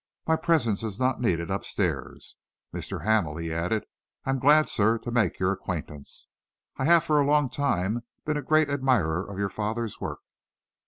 My presence is not needed up stairs. Mr. Hamel," he added, "I am glad, sir, to make your acquaintance. I have for a long time been a great admirer of your father's work."